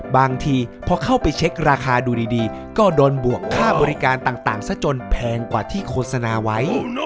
บางทีพอเข้าไปเช็คราคาดูดีก็โดนบวกค่าบริการต่างซะจนแพงกว่าที่โฆษณาไว้